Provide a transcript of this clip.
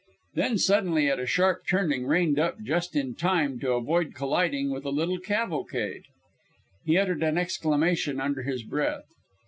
Then suddenly at a sharp turning reined up just in time to avoid colliding with a little cavalcade. He uttered an exclamation under his breath.